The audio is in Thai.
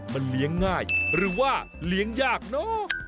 มันเลี้ยงง่ายหรือว่าเลี้ยงยากเนอะ